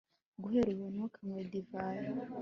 guhera ubu, ntukanywe divayi